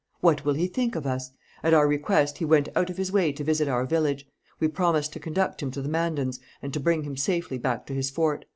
What will he think of us? At our request, he went out of his way to visit our village. We promised to conduct him to the Mandans, and to bring him safely back to his fort.